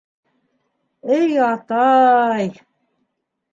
Эй атай!